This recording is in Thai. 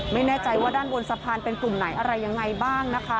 ไม่แน่ใจว่าด้านบนสะพานเป็นกลุ่มไหนอะไรยังไงบ้างนะคะ